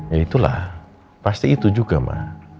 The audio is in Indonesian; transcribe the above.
ya itulah pasti itu juga mbak